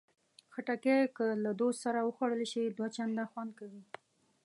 خټکی که له دوست سره وخوړل شي، دوه چنده خوند کوي.